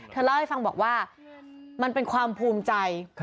เล่าให้ฟังบอกว่ามันเป็นความภูมิใจ